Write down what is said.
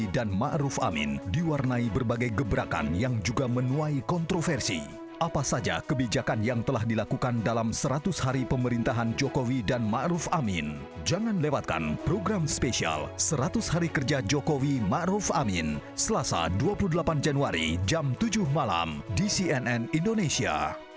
demi allah saya bersumpah dengan sebaik baiknya